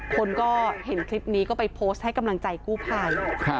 คนก็เห็นคลิปนี้ก็ไปโพสต์ให้กำลังใจกู้ภัย